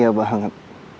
aku bahagia banget